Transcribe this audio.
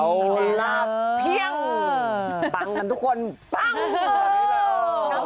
เวลาเพียงปังกันทุกคนปัง